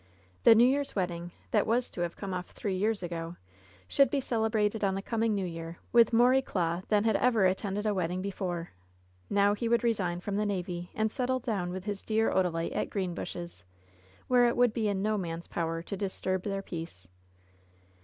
The New Year's wedding that was to have come off three years ago should be celebrated on the coming New Year with more eclat than had ever attended a wedding be fore. Now he would resign from the navy, and settle down with his dear Odalite at Greenbushes, where it would be in no man's power to disturb their peace.